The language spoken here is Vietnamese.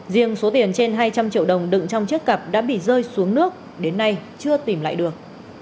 riêng số tiền trên hai trăm linh triệu đồng đựng trong chiếc cặp đã bị rơi xuống nước đến nay chưa tìm lại được